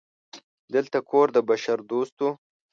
دلته کور د بشردوستو